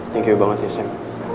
thank you banget ya sayang